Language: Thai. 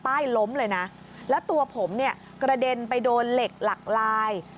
ถ้าตัวผมกระเด็นไปโดนเหล็กหลักลาย